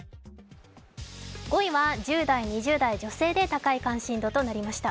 ５位は１０代、２０代女性で高い関心度となりました。